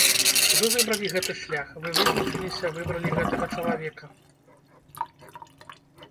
Вы выбралі гэты шлях, вы вызначыліся, выбралі гэтага чалавека.